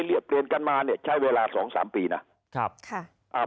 เรียกเปลี่ยนกันมาเนี่ยใช้เวลาสองสามปีนะครับค่ะอ่า